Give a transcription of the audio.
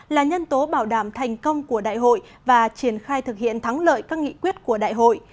là nhân tố bảo đảm thành công của đại hội và triển khai thực hiện thắng lợi các nghị quyết của đại hội